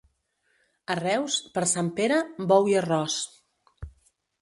A Reus, per Sant Pere, bou i arròs.